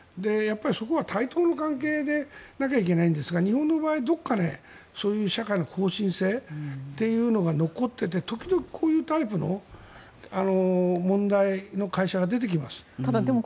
そこは対等の関係でなければいけないんですが日本の場合、どこかそういう社会の方針性というのが残っていて、時々こういうタイプの問題の会社が出ています出てきます。